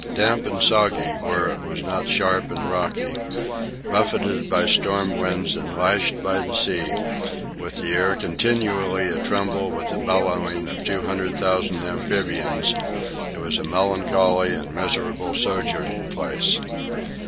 Damp and soggy where it was not sharp and rocky, buffeted by storm winds and lashed by the sea, with the air continually a tremble with the bellowing of two hundred thousand amphibians, it was a melancholy and miserable sojourning place.